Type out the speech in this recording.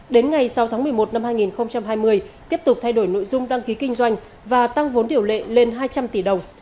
đến ngày sáu tháng một mươi một năm hai nghìn hai mươi tiếp tục thay đổi nội dung đăng ký kinh doanh và tăng vốn điều lệ lên hai trăm linh tỷ đồng